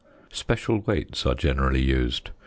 Special weights are generally used.